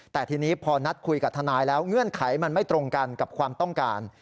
แต่ทีนี้พอนัดคุยกับทนายแล้วเงื่อนไขมันไม่ตรงกันกับความต้องการ